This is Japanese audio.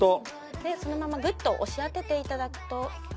でそのままグッと押し当てていただくと。